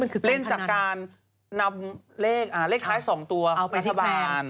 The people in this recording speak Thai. เล่นจากการนำเลขท้าย๒ตัวไปทะบาน